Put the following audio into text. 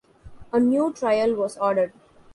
A new trial was ordered.